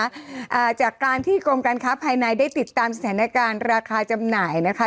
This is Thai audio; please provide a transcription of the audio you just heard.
อ่าจากการที่กรมการค้าภายในได้ติดตามสถานการณ์ราคาจำหน่ายนะคะ